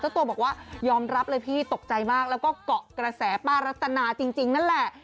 ตัวบอกว่ายอมรับเลยพี่ตกใจมากแล้วก็เกาะกระแสป้ารัตนาจริงนั่นแหละ